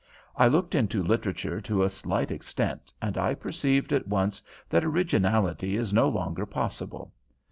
I looked into literature to a slight extent, and I perceived at once that originality is no longer possible.